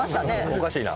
おかしいな。